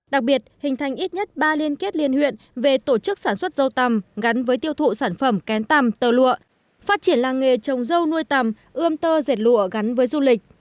đặc biệt hình thành ít nhất ba liên kết liên huyện về tổ chức sản xuất dâu tầm gắn với tiêu thụ sản phẩm kén tầm tơ lụa phát triển làng nghề trồng dâu nuôi tầm ươm tơ dệt lụa gắn với du lịch